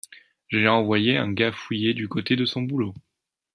J’ai envoyé un gars fouiller du côté de son boulot.